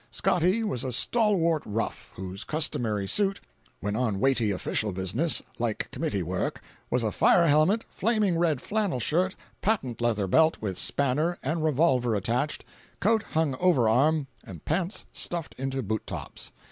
Scotty was a stalwart rough, whose customary suit, when on weighty official business, like committee work, was a fire helmet, flaming red flannel shirt, patent leather belt with spanner and revolver attached, coat hung over arm, and pants stuffed into boot tops.